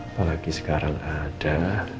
apalagi sekarang ada